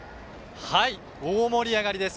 大盛り上がりです。